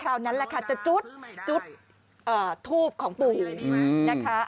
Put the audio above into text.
คราวนั้นแหละค่ะจะจุดทูบของปุ๊กนะคะ